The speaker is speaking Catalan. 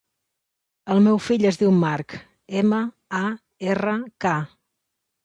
El meu fill es diu Mark: ema, a, erra, ca.